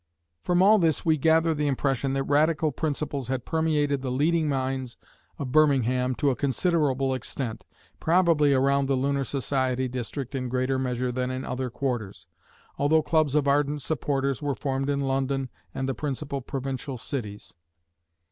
From all this we gather the impression that Radical principles had permeated the leading minds of Birmingham to a considerable extent, probably around the Lunar Society district in greater measure than in other quarters, altho clubs of ardent supporters were formed in London and the principal provincial cities.